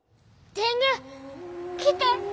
天狗来て！